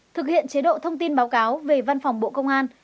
thực hiện chế độ thông tin báo cáo về văn phòng bộ công an